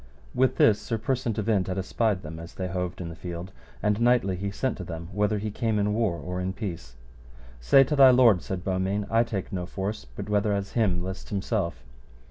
With this Sir Persant of Inde had espied them as they hoved in the field, and knightly he sent to them whether he came in war or in peace. Say to thy lord, said Beaumains, I take no force, but whether as him list himself.